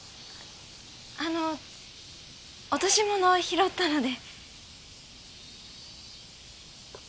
あの落とし物を拾ったので。